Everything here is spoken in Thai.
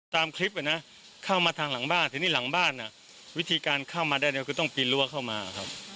ตามคลิปเข้ามาทางหลังบ้านทีนี้หลังบ้านวิธีการเข้ามาได้เนี่ยคือต้องปีนรั้วเข้ามาครับ